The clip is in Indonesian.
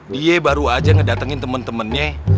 dia baru aja ngedatengin temen temennya